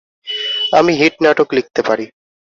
আমি হিট নাটক লিখতে পারি।